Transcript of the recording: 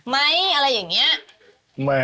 ไหมอะไรอย่างนี้